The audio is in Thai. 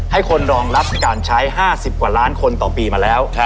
ให้คนรองรับการใช้๕๐กว่าล้านคนต่อปีมาแล้ว